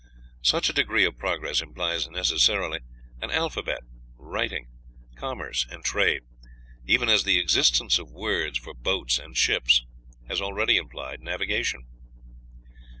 Such a degree of progress implies necessarily an alphabet, writing, commerce, and trade, even as the existence of words for boats and ships has already implied navigation.